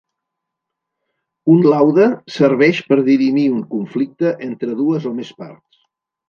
Un laude serveix per dirimir un conflicte entre dues o més parts.